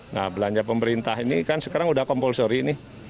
nah belanja pemerintah ini kan sekarang sudah compulsory ini